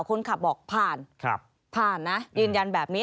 คนขับบอกผ่านผ่านนะยืนยันแบบนี้